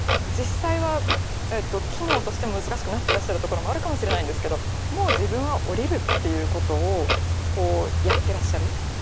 実際は機能としても難しくなってらっしゃるところもあるかもしれないんですけどもう自分は降りるっていうことをやってらっしゃる。